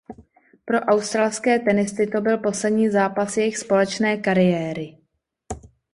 Pro australské tenisty to byl poslední zápas jejich společné kariéry.